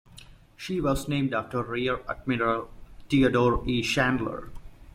She was named after Rear Admiral Theodore E. Chandler.